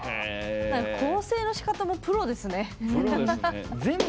構成のしかたもプロですね。